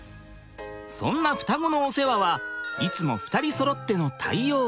そんな双子のお世話はいつも２人そろっての対応。